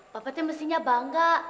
bapak teh mestinya bangga